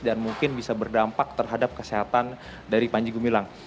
dan mungkin bisa berdampak terhadap kesehatan dari panji gumilang